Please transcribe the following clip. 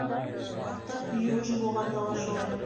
Артыҡ еүеш булғанда ла шулай.